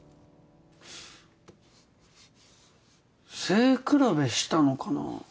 背比べしたのかな？